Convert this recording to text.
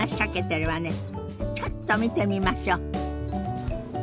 ちょっと見てみましょ。